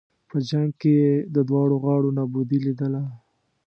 په جنګ کې یې د دواړو غاړو نابودي لېدله.